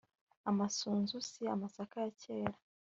amasunzu si amasaka ya kera